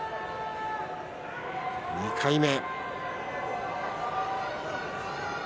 ２回目。